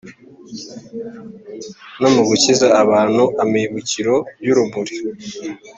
no mu gukiza abantu ,amibukiro y’urumuri